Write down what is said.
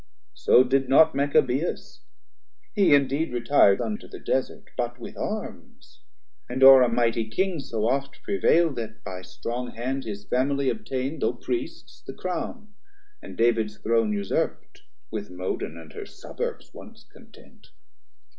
So did not Machabeus: he indeed Retir'd unto the Desert, but with arms; And o're a mighty King so oft prevail'd, That by strong hand his Family obtain'd, Though Priests, the Crown, and David's Throne usurp'd, With Modin and her Suburbs once content.